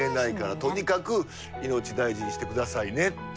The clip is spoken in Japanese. とにかく命大事にして下さいねと。